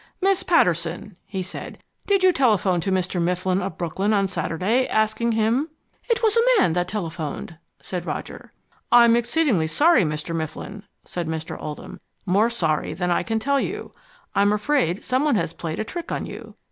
"Miss Patterson," he said, "did you telephone to Mr. Mifflin of Brooklyn on Saturday, asking him " "It was a man that telephoned," said Roger. "I'm exceedingly sorry, Mr. Mifflin," said Mr. Oldham. "More sorry than I can tell you I'm afraid someone has played a trick on you.